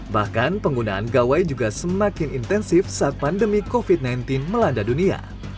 bahkan penggunaan gawai juga semakin intensif saat pandemi covid sembilan belas melanda dunia